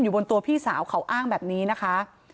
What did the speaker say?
บนตัวพี่สาวเขาอ้างแบบนี้นะคะ